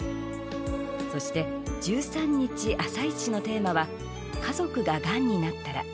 そして１３日「あさイチ」のテーマは家族ががんになったら。